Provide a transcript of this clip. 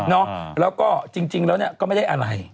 แล้วก็จริงแล้วเนี่ยก็ไม่ได้อะไร